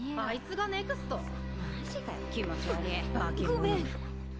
っ！ごめん。